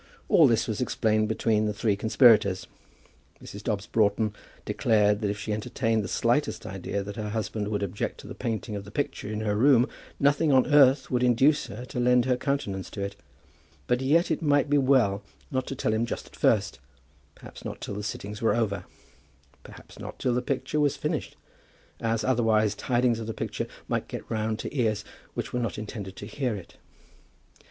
All this was explained between the three conspirators. Mrs. Dobbs Broughton declared that if she entertained the slightest idea that her husband would object to the painting of the picture in her room, nothing on earth would induce her to lend her countenance to it; but yet it might be well not to tell him just at first, perhaps not till the sittings were over, perhaps not till the picture was finished; as, otherwise, tidings of the picture might get round to ears which were not intended to hear it.